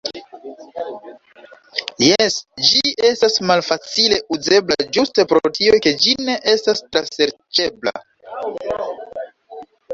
Jes, ĝi estas malfacile uzebla ĝuste pro tio ke ĝi ne estas traserĉebla.